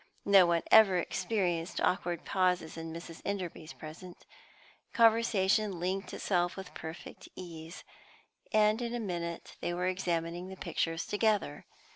No one ever experienced awkward pauses in Mrs. Enderby's presence; conversation linked itself with perfect ease, and in a minute they were examining the pictures together.